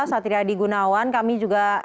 satri adi gunawan kami juga